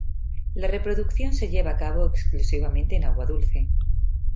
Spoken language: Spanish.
La reproducción se lleva a cabo exclusivamente en agua dulce.